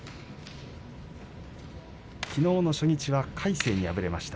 きのうの初日は魁聖に敗れました。